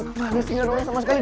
wah ada si ngadongnya sama sekali